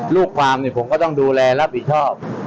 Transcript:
ลูกความเนี่ยผมก็ต้องดูแลรับผิดชอบ